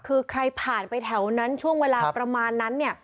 คือใครผ่านไปแถวนั้นช่วงเวลาประมาณนั้นเนี่ย